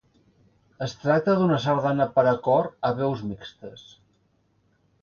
Es tracta d'una sardana per a cor a veus mixtes.